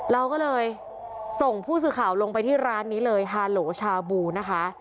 เราก็เลยส่งผู้สื่อข่าวลงไปที่ร้านนี้เลยฮาโหลชาบูนะคะ